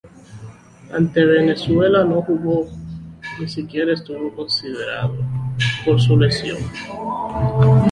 Ante Venezuela no jugó, ni siquiera estuvo considerado, por su lesión.